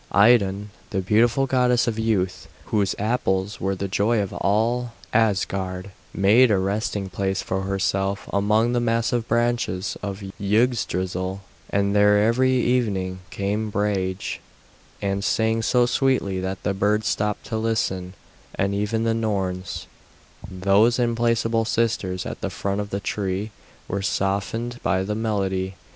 Idun, the beautiful goddess of youth, whose apples were the joy of all Asgard, made a resting place for herself among the massive branches of Yggdrasil, and there every evening came Brage, and sang so sweetly that the birds stopped to listen, and even the Norns, those implacable sisters at the foot of the tree, were softened by the melody.